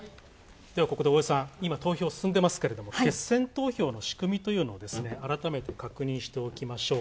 ここで大江さん、今、投票進んでますけども決選投票の仕組みというのを改めて確認しておきましょう。